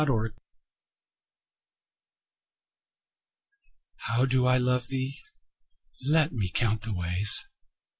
XLIII How do I love thee? Let me count the ways.